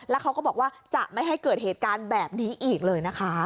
แล้วเขาก็บอกว่าจะไม่ให้เกิดเหตุการณ์แบบนี้อีกเลยนะคะ